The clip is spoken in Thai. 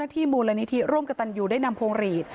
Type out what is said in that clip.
ที่มูลนิธีร่วมกับตันอยู่ด้วยนำพงศ์หรีด